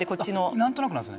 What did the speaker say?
何となくなんですね。